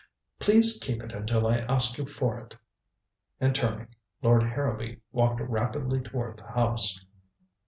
Please keep it until I ask you for it." And turning, Lord Harrowby walked rapidly toward the house.